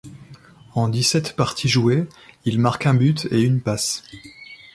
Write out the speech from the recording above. En dix-sept parties jouées, il marque un but et une passe.